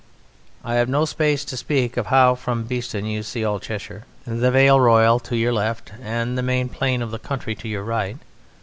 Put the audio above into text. I have no space to speak of how from Beeston you see all Cheshire; the Vale Royal to your left, and the main plain of the county to your right.